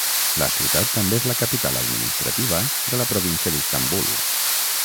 La ciutat també és la capital administrativa de la província d'Istanbul.